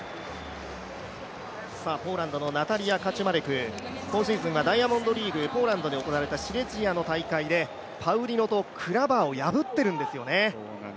ポーランドのナタリア・カチュマレク今シーズンはダイヤモンドリーグ、ポーランドで行われたシレジアの大会でパウリノとクラバーを破っているんですよね。